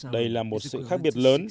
đây là một sự khác biệt lớn